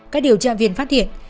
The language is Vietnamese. các điều tra viên phát hiện